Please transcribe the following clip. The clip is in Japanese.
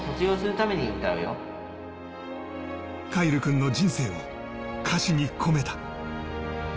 凱成君の人生を歌詞に込めた。